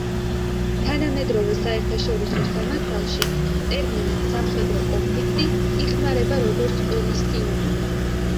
თანამედროვე საერთაშორისო სამართალში ტერმინი სამხედრო კონფლიქტი იხმარება, როგორც ომის სინონიმი.